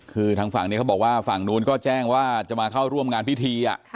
คือทางฝั่งนี้เขาบอกว่าฝั่งนู้นก็แจ้งว่าจะมาเข้าร่วมงานพิธี